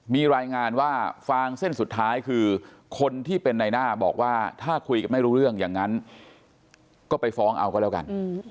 มีรายงานว่าฟางเส้นสุดท้ายคือคนที่เป็นในหน้าบอกว่าถ้าคุยกันไม่รู้เรื่องอย่างนั้นก็ไปฟ้องเอาก็แล้วกัน